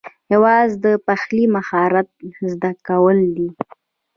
یوازې د پخلي مهارت زده کول دي